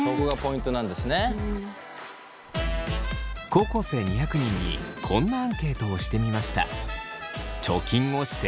高校生２００人にこんなアンケートをしてみました。